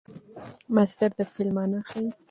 مصدر د فعل مانا ښيي.